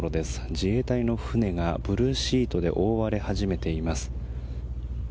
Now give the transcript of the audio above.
自衛隊の船が、ブルーシートで覆われ始めています。